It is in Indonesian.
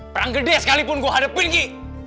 perang gede sekalipun gue hadepin ki